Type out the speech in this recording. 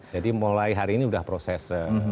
jadi mulai hari ini sudah proses